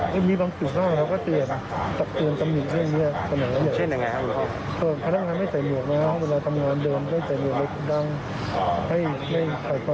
คุณเจ๋งช่วยดูคุณแดนเรื่องนี้ตื่นคุณแดนหน่อยว่า